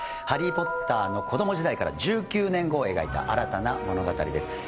ハリー・ポッターの子供時代から１９年後を描いた新たな物語です